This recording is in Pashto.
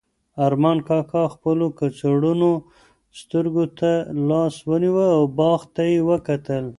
ارمان کاکا خپلو کڅوړنو سترګو ته لاس ونیو او باغ ته یې وکتل.